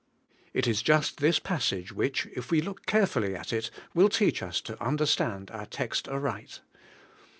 It is just this passage which, if we look carefully at it, will teach us to understand our text aright.